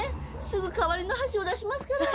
すぐ代わりの箸を出しますから。